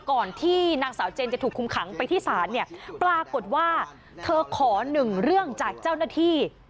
ก่อนที่นางสาวเจนจะถูกคุมขังไปที่ศาลเนี่ยปรากฏว่าเธอขอหนึ่งเรื่องจากเจ้าหน้าที่